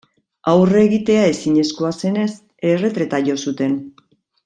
Aurre egitea ezinezkoa zenez, erretreta jo zuten.